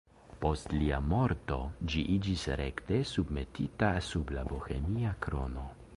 Post lia morto ĝi iĝis rekte submetita sub la Bohemia krono.